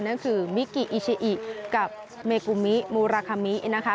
นั่นคือมิกิอิชิอิกับเมกุมิมูราคามินะคะ